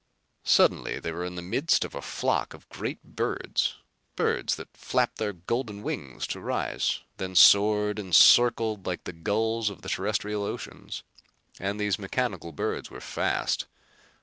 Suddenly they were in the midst of a flock of great birds; birds that flapped their golden wings to rise, then soared and circled like the gulls of the terrestrial oceans. And these mechanical birds were fast.